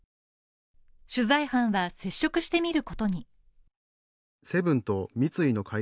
取材班が接触してみることに。